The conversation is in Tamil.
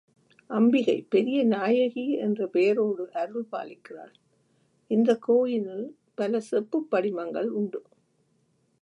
அம்பிகை பெரிய நாயகி என்ற பெயரோடு அருள் பாலிக்கிறாள், இந்தக் கோயிலுள் பல செப்புப் படிமங்கள் உண்டு.